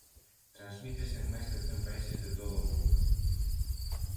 Transmítese en máis de cen países de todo o mundo.